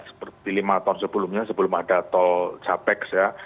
seperti lima tahun sebelumnya sebelum ada tol capex ya